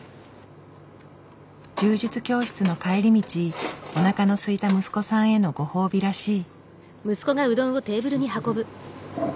柔術教室の帰り道おなかのすいた息子さんへのご褒美らしい。